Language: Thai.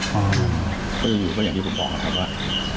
ก็อย่างที่ผมบอกกันครับว่า